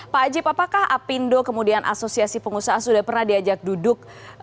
pak ajib apakah apindo kemudian asosiasi pengusaha sudah pernah diajak duduk